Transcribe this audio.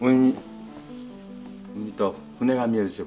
海と船が見えるでしょ